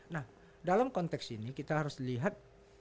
nah dalam konteks ini kita harus lihat